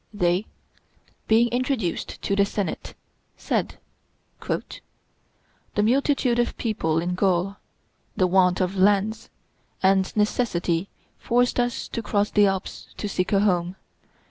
They, being introduced into the Senate, said, "The multitude of people in Gaul, the want of lands, and necessity forced us to cross the Alps to seek a home.